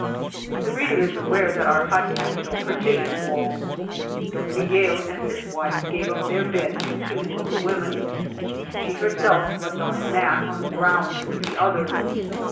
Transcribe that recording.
The reader is aware that our hot had no partition walls. Don Miguel and his wife gave xxp their bed to two of the women ; she herself slept on a mat on the ground with the other.